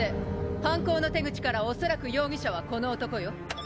犯行の手口から恐らく容疑者はこの男よ。